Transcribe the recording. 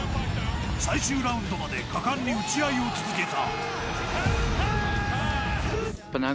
最終ラウンドまで果敢に打ち合いを続けた。